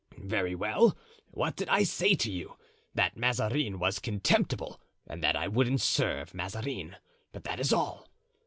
Very well what did I say to you? that Mazarin was contemptible and that I wouldn't serve Mazarin. But that is all.